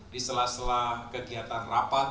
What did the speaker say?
di sela sela kegiatan rapat